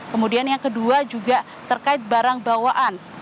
kemudian yang kedua juga terkait barang bawaan